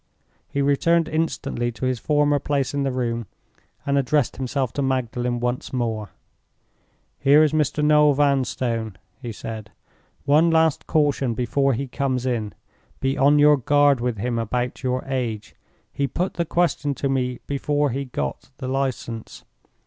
He returned instantly to his former place in the room, and addressed himself to Magdalen once more. "Here is Mr. Noel Vanstone," he said. "One last caution before he comes in. Be on your guard with him about your age. He put the question to me before he got the License.